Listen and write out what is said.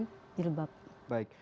pengurusan yang lebih baik